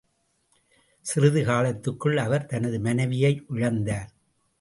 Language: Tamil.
சிறிது காலத்துக்குள் அவர் தனது மனைவியை இழந்தார்.